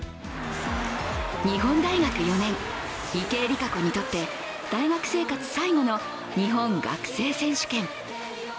日本大学４年、池江璃花子にとって大学生活最後の日本学生選手権。